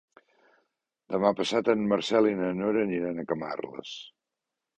Demà passat en Marcel i na Nora aniran a Camarles.